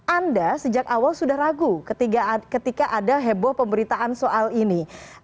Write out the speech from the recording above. anda sejak awal sudah ragu ketika ada heboh pemberitaan soal ini